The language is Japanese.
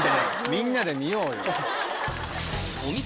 みんなで見ようよ。